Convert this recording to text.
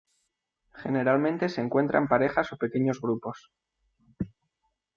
Generalmente se encuentra en parejas o pequeños grupos.